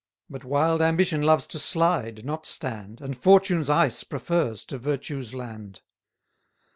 But wild ambition loves to slide, not stand, And fortune's ice prefers to virtue's land.